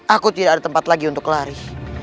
aku tidak ada tempat lagi untuk lari